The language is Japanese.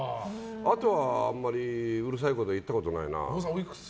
あとはあんまりうるさいこと言ったことないな。